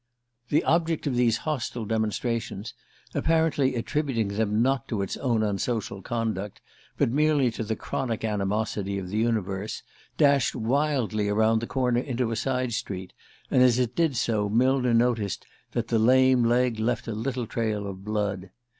The object of these hostile demonstrations, apparently attributing them not to its own unsocial conduct, but merely to the chronic animosity of the universe, dashed wildly around the corner into a side street, and as it did so Millner noticed that the lame leg left a little trail of blood.